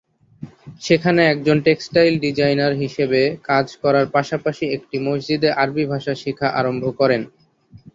সেখানে একজন textile designer হিসাবে কাজ করার পাশাপাশি একটি মসজিদে আরবী ভাষা শিখা আরম্ভ করেন।